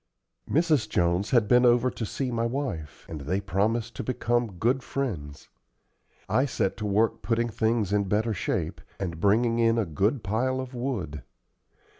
Mrs. Jones had been over to see my wife, and they promised to become good friends. I set to work putting things in better shape, and bringing in a good pile of wood.